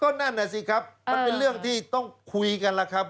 นั่นน่ะสิครับมันเป็นเรื่องที่ต้องคุยกันแล้วครับ